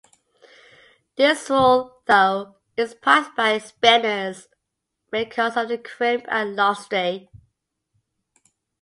This wool, though, is prized by spinners because of the crimp and lustre.